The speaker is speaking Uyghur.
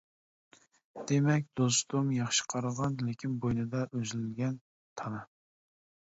دېمەك، دوستۇم ياخشى قارىغان، لېكىن بوينىدا ئۈزۈلگەن تانا.